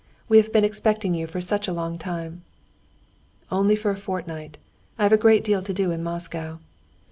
We have been expecting you for such a long time." "Only for a fortnight. I've a great deal to do in Moscow."